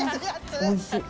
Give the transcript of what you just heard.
おいしい！